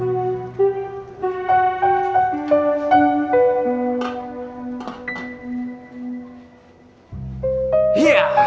itu aku cadanyakan sebenarnya